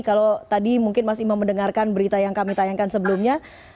kalau tadi mungkin mas imam mendengarkan berita yang kami tayangkan sebelumnya